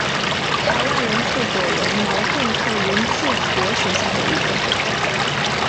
台湾人字果为毛茛科人字果属下的一个种。